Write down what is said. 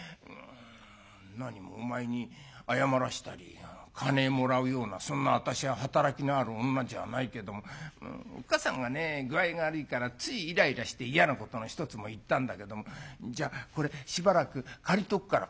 「なにもお前に謝らしたり金もらうようなそんな私は働きのある女じゃないけどもおっかさんがね具合が悪いからついイライラして嫌なことの一つも言ったんだけどもじゃこれしばらく借りとくから」。